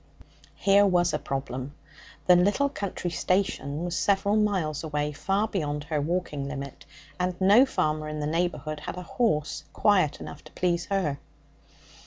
Here was a problem. The little country station was several miles away, far beyond her walking limit, and no farmer in the neighbourhood had a horse quiet enough to please her.